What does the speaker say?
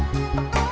liat dong liat